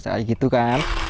saya gitu kan